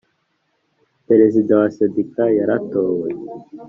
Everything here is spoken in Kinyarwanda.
perezida wa sendika yaratowe